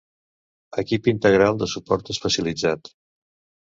Equip integral de suport especialitzat.